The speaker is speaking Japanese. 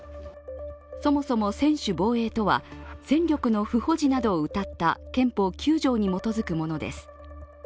そもそも専守防衛とは戦力の不保持などをうたった憲法９条に基づくものです。